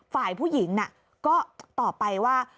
ฝ่ายผู้หญิงก็ตอบไปว่า